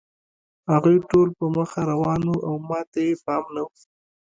هغوی ټول په مخه روان وو او ما ته یې پام نه و